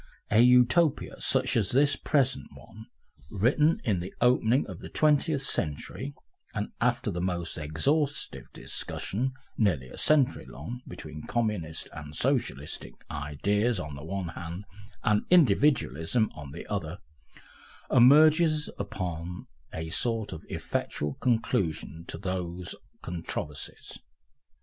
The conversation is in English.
A Utopia such as this present one, written in the opening of the Twentieth Century, and after the most exhaustive discussion nearly a century long between Communistic and Socialistic ideas on the one hand, and Individualism on the other, emerges upon a sort of effectual conclusion to those controversies.